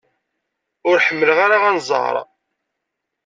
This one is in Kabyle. Ur ḥemmleɣ ara anẓar.